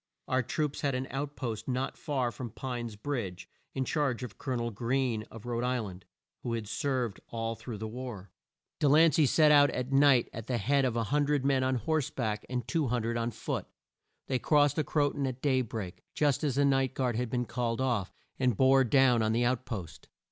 Our troops had an out post not far from Pine's Bridge, in charge of Col o nel Greene of Rhode Isl and, who had served all through the war. De lan cey set out at night at the head of 100 men on horse back and 200 on foot. They crossed the Cro ton at day break, just as the night guard had been called off, and bore down on the out post.